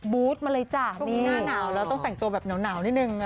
บู๊ดมาเลยจ้ะตรงนี้หน้าหนาวแล้วต้องแต่งตัวแบบเหนียวหนาวนิดหนึ่งน่ะ